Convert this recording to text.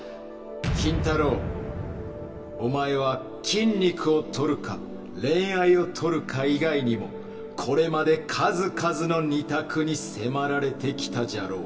筋太郎お前は筋肉を取るか恋愛を取るか以外にもこれまで数々の二択に迫られてきたじゃろう。